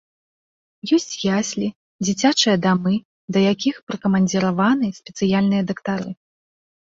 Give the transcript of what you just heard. Ёсць яслі, дзіцячыя дамы, да якіх прыкамандзіраваны спецыяльныя дактары.